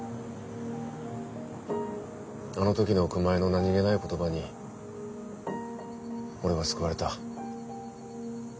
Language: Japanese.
あの時の熊井の何気ない言葉に俺は救われた。